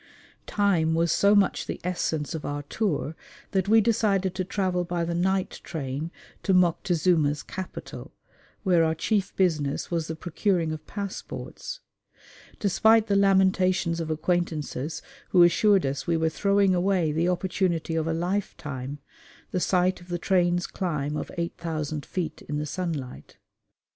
Time was so much the essence of our tour that we decided to travel by the night train to Moctezuma's capital where our chief business was the procuring of passports despite the lamentations of acquaintances who assured us we were throwing away the opportunity of a lifetime the sight of the train's climb of 8,000 feet in the sunlight.